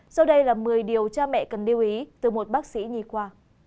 sau đây là một mươi điều cha mẹ cần lưu ý từ một bác sĩ nhi khoa